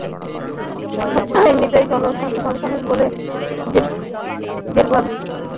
এমনিতেই জনসনের বলে জেরবার, এবার ইংলিশ অধিনায়ক অ্যালিস্টার কুককে হুল ফোটালেন জিওফ বয়কট।